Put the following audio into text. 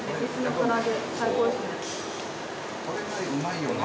これがうまいよね。